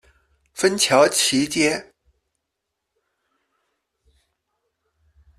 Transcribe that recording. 芬乔奇街。